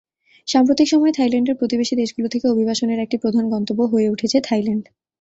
সাম্প্রতিক সময়ে থাইল্যান্ডের প্রতিবেশী দেশগুলো থেকে অভিবাসনের একটি প্রধান গন্তব্য হয়ে উঠেছে থাইল্যান্ড।